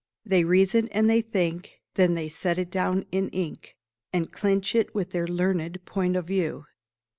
They "reason" and they "think," Then they set it down in ink, And clinch it with their learned "point of view."